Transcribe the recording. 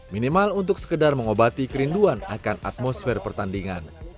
minimal untuk sekedar mengobati kerinduan akan atmosfer pertandingan